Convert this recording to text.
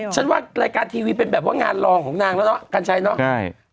ว่ารายการทีวีเป็นแบบว่างานรองของนางแล้วเนาะกัญชัยเนาะ